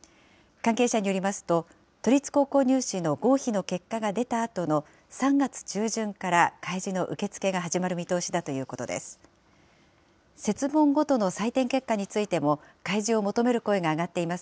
関係者によりますと、都立高校入試の合否の結果が出たあとの３月中旬から開示の受け付けが始まる見通しだということです。